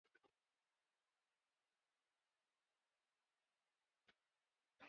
Hasta la actualidad, las Islas Malvinas no ha ganado ninguna medalla.